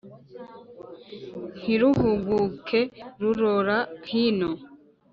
Ntiruhuguke rurora hino,